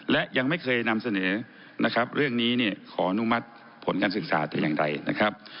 และยังไม่เคยนำเสนอนะครับเรื่องนี้เนี่ยขออนุมัติผลการศึกษาแต่อย่างใดนะครับ